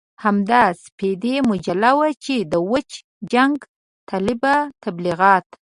همدا سپېدې مجله وه چې د وچ جنګ طلبه تبليغات.